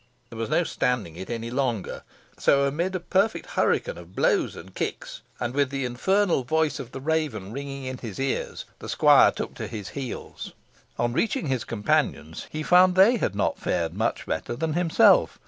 There was no standing it any longer. So, amid a perfect hurricane of blows and kicks, and with the infernal voice of the raven ringing in his ears, the squire took to his heels. On reaching his companions he found they had not fared much better than himself.